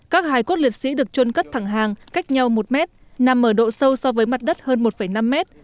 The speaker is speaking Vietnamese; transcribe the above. các hải cốt liệt sĩ được trôn cất thẳng hàng cách nhau một mét nằm ở độ sâu so với mặt đất hơn một năm mét